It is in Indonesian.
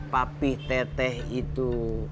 papih teteh itu